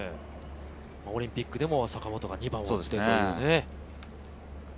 オリンピックでも坂本が２番を打ってね。